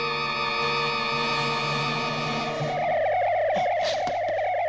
あっ！